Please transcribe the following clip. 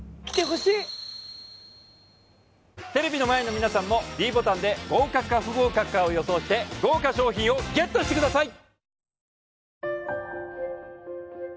テレビの前の皆さんもｄボタンで合格か不合格かを予想して豪華賞品をＧＥＴしてください